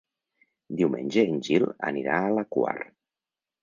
Diumenge en Gil anirà a la Quar.